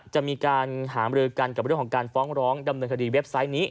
จะมีการหามรือกันกับเรื่องของการฟ้องร้องดำเนินคดีเว็บไซต์นี้